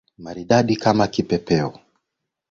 Maridadi kama kipepeo.